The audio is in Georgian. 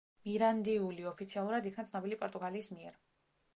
მირანდიული ოფიციალურად იქნა ცნობილი პორტუგალიის მიერ.